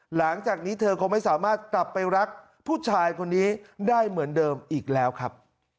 หลังจากนี้เธอคงไม่สามารถกลับไปรักผู้ชายคนนี้ได้เหมือนเดิมอีกแล้วครับ